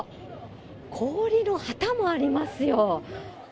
氷の旗もありますよ。